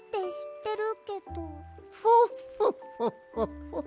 フォッフォッフォッフォッフォッ。